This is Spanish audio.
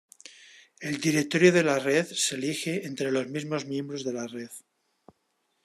El directorio de la Red se elige entre los mismos miembros de la red.